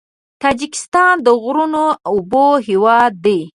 تاجکستان د غرونو او اوبو هېواد دی.